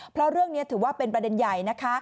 เพราะเรื่องนี้ถือว่าเป็นประเด็นใหญ่นะคะ